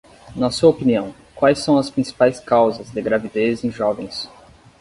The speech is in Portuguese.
Na sua opinião, quais são as principais causas de gravidez em jovens?